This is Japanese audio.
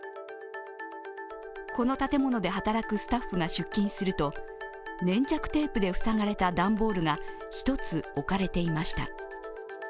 この建物で働くスタッフが出勤すると粘着テープで塞がれた段ボールが１つ置かれていました。